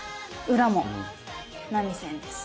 裏も波線です。